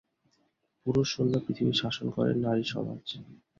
পুরুষ শুন্য পৃথিবী শাসন করে নারী সমাজ।